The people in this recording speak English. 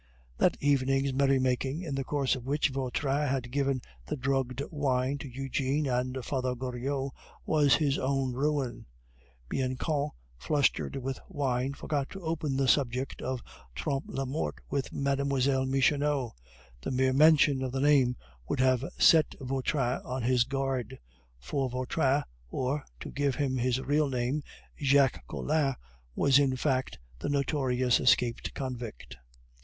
That evening's merry making, in the course of which Vautrin had given the drugged wine to Eugene and Father Goriot, was his own ruin. Bianchon, flustered with wine, forgot to open the subject of Trompe la Mort with Mlle. Michonneau. The mere mention of the name would have set Vautrin on his guard; for Vautrin, or, to give him his real name, Jacques Collin, was in fact the notorious escaped convict.